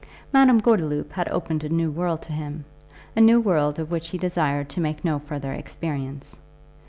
Madame Gordeloup had opened a new world to him, a new world of which he desired to make no further experience.